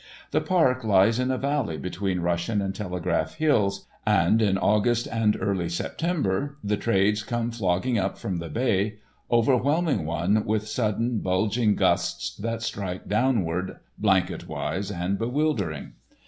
The park lies in a valley between Russian and Telegraph Hills, and in August and early September the trades come flogging up from the bay, overwhelming one with sudden, bulging gusts that strike downward, blanket wise and bewildering.